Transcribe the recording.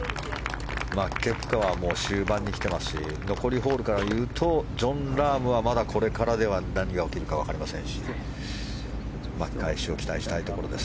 ケプカは終盤に来てますし残りホールからいうとジョン・ラームはまだこれからでは何が起きるかわかりませんし巻き返しを期待したいところです。